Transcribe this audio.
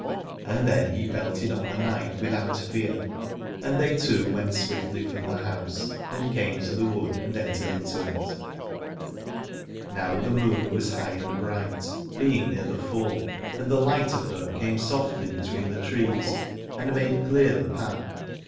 And then he belted on the knife without fear, and they two went swiftly from the house and came to the wood and entered into it. Now the moon was high and bright, being near the full, and the light of her came softly between the trees and made clear the path.